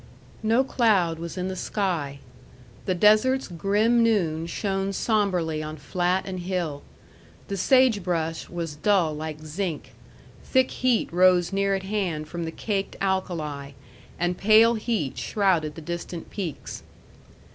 No cloud was in the sky. The desert's grim noon shone sombrely on flat and hill. The sagebrush was dull like zinc. Thick heat rose near at hand from the caked alkali, and pale heat shrouded the distant peaks.